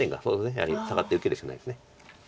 やはりサガって受けるしかないです。